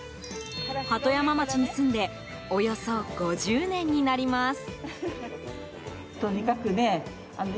鳩山町に住んでおよそ５０年になります。